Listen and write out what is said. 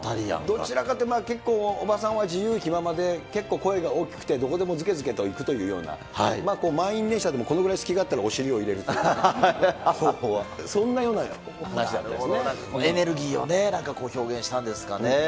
どちらかというと、おばさんは自由気ままで結構声が大きくて、どこでもずけずけと行くというような、満員電車でもこのぐらい隙があったらお尻を入れエネルギーをね、なんか表現したんですかね。